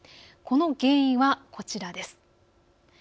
この原因はこちらです。